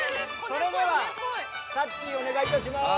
それではさっちーお願いいたします！